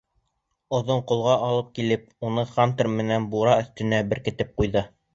Оҙон ҡолға алып килеп, уны Хантер менән бура өҫтөнә беркетеп ҡуйҙы.